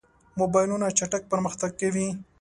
موبایلونه چټک پرمختګ کوي.